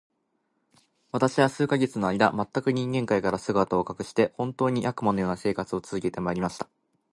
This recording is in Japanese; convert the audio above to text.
私は数ヶ月の間、全く人間界から姿を隠して、本当に、悪魔の様な生活を続けて参りました。